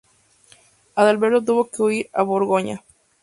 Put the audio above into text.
Adalberto tuvo que huir a Borgoña.